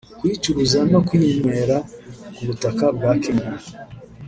kuyicuruza no kuyinywera ku butaka bwa Kenya